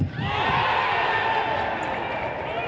สวัสดีครับ